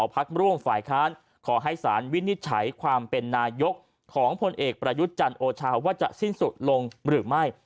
พักร่วมฝ่ายค้านขอให้สารวินิจฉัยความเป็นนายกของพลเอกประยุทธ์จันทร์โอชาว่าจะสิ้นสุดลงหรือไม่